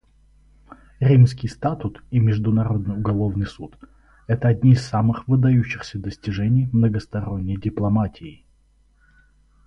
Римский статут и Международный уголовный суд — это одни из самых выдающихся достижений многосторонней дипломатии.